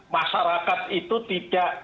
masyarakat itu tidak